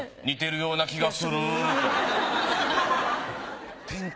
「似てるような気がする」と。